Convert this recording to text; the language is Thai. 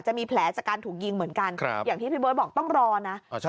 จะมีแผลจากการถูกยิงเหมือนกันครับอย่างที่พี่เบิ้ลบอกต้องรอน่ะอ๋อใช่